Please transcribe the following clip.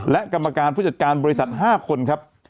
และกรรมการผู้จัดการบริษัท๕คนครับ